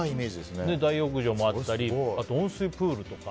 大浴場もあったり温水プールとか。